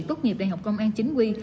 tốt nghiệp đại học công an chính quy